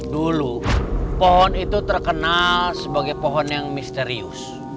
dulu pohon itu terkenal sebagai pohon yang misterius